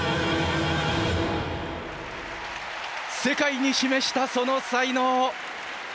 世界に示したその才能。